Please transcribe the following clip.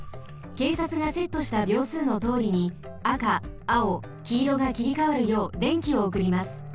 けいさつがセットしたびょうすうのとおりにあかあおきいろがきりかわるようでんきをおくります。